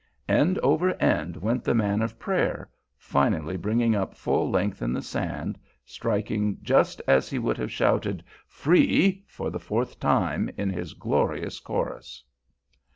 End over end went the man of prayer, finally bringing up full length in the sand, striking just as he should have shouted "free" for the fourth time in his glorious chorus.